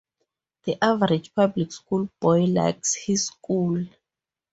The average public-school boy likes his school.